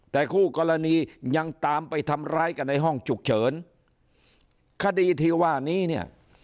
แต่คู่กรณียังตามไปทำร้ายกันในห้องฉุกเฉินคดีที่ว่านี้เนี่ย